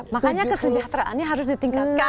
makanya kesejahteraannya harus ditingkatkan